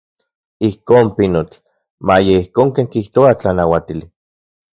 Ijkon, pinotl, maya ijkon ken kijtoa tlanauatili.